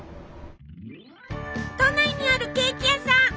都内にあるケーキ屋さん。